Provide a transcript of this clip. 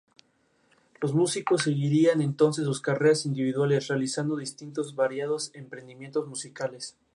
El museo de la Sonrisa es uno de los primeros museos virtuales al mundo.